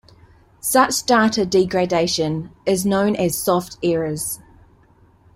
Such data degradation is known as soft errors.